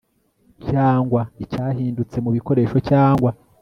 cyangwa icyahindutse mu bikoresho cyangwa